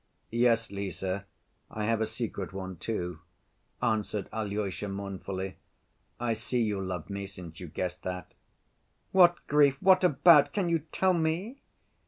"Yes, Lise, I have a secret one, too," answered Alyosha mournfully. "I see you love me, since you guessed that." "What grief? What about? Can you tell me?"